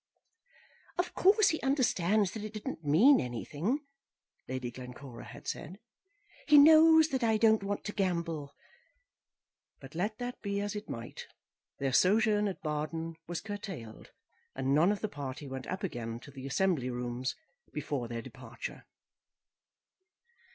"Of course, he understands that it didn't mean anything," Lady Glencora had said. "He knows that I don't want to gamble." But let that be as it might, their sojourn at Baden was curtailed, and none of the party went up again to the Assembly Rooms before their departure.